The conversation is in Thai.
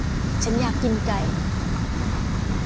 ฉันอยากกินไก่